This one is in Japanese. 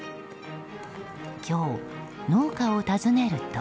今日、農家を訪ねると。